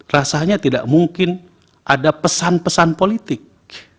rasanya tidak mungkin ada pesan pesan politik